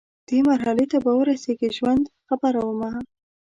دې مرحلې ته به رسیږي ژوند، خبره ومه